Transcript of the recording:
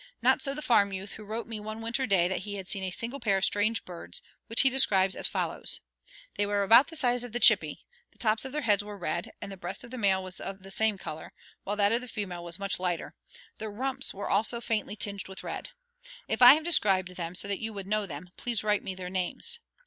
Not so the farm youth who wrote me one winter day that he had seen a single pair of strange birds, which he describes as follows: "They were about the size of the 'chippie,' the tops of their heads were red, and the breast of the male was of the same color, while that of the female was much lighter; their rumps were also faintly tinged with red. If I have described them so that you would know them, please write me their names."